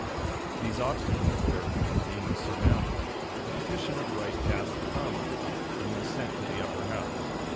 These obstacles, therefore, being surmounted, the petition of right passed the commons, and was sent to the upper house.